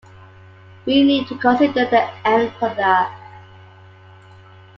We need to consider the end product.